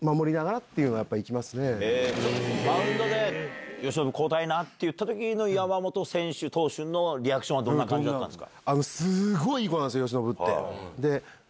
マウンドで「由伸交代な」って言った時の山本投手のリアクションはどんな感じだったんですか？